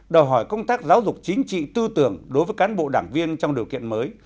đòi hỏi công tác giáo dục chính trị tư tưởng đối với cán bộ đảng viên trong điều kiện mới